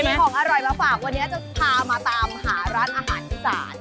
มีของอร่อยมาฝากวันนี้จะพามาตามหาร้านอาหารอีสาน